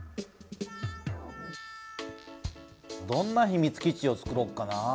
どんなひみつ基地をつくろっかな。